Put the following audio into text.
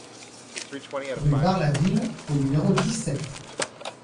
Rue Bar la Ville au numéro dix-sept